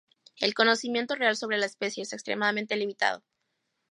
El conocimiento real sobre la especie es extremadamente limitado.